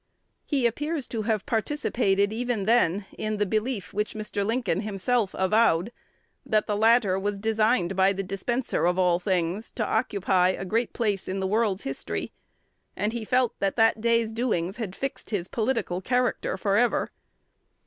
He appears to have participated even then in the belief which Mr. Lincoln himself avowed, that the latter was designed by the Dispenser of all things to occupy a great place in the world's history; and he felt that that day's doings had fixed his political character forever.